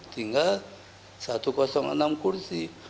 tinggal satu ratus enam kursi